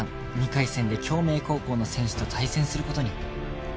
２回戦で京明高校の選手と対戦する事に